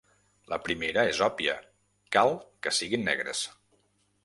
La primera és òbvia: cal que siguin negres.